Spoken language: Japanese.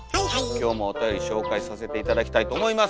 今日もおたより紹介させて頂きたいと思います。